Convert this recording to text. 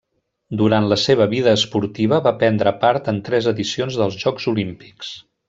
Durant la seva vida esportiva va prendre part en tres edicions dels Jocs Olímpics.